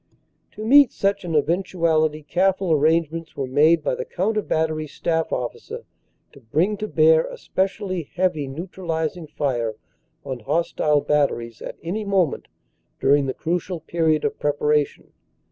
"To meet such an eventuality careful arrangements were made by the counter battery staff officer to bring to bear a specially heavy neutralizing fire on hostile batteries at any moment during the crucial period of preparation.